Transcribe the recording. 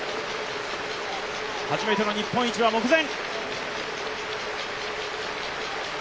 初めての日本一は目前。